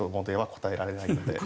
答えられない。